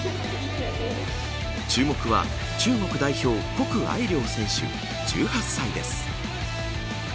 注目は中国代表谷愛凌選手、１８歳です。